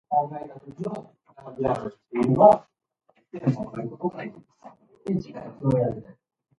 Halleck edited them to ensure nothing conflicted with Lincoln's Emancipation Proclamation.